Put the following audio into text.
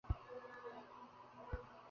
একাদশীর দিন এই উপবাস করার কথাটা।